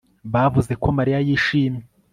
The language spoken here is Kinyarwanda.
Bavuze ko Mariya yishimye